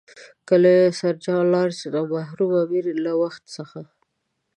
له سر جان لارنس او د مرحوم امیر له وخت څخه.